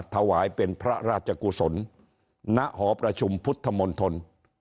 ถวายเป็นพระราชกุศลณหอประชุมพุทธมนตร